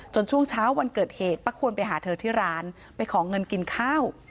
ช่วงเช้าวันเกิดเหตุป้าควรไปหาเธอที่ร้านไปขอเงินกินข้าว